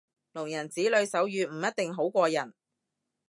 聾人子女手語唔一定好過人